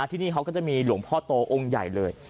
ที่นี่เขาก็จะมีหลวงพ่อโตองค์ใหญ่เลย